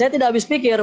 saya tidak bisa berpikir